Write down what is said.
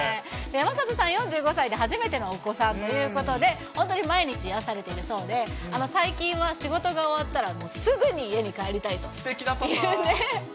山里さん、４５歳で初めてのお子さんということで、本当に毎日癒やされているそうで、最近は仕事が終わったらすぐに家に帰りたいと。